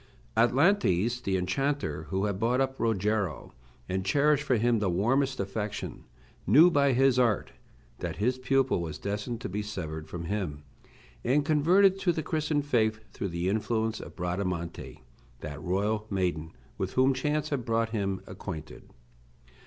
Atlantes, the enchanter, who had brought up Rogero, and cherished for him the warmest affection, knew by his art that his pupil was destined to be severed from him, and converted to the Christian faith through the influence of Bradamante, that royal maiden with whom chance had brought him acquainted.